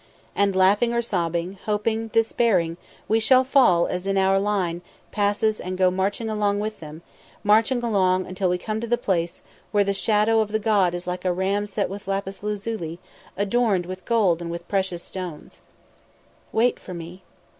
And, laughing or sobbing, hoping, despairing, we shall fall in as our line passes and go marching along with them, marching along, until we came to the place where "the shadow of the God is like a ram set with lapis lazuli, adorned with gold and with precious stones." "Wait for me."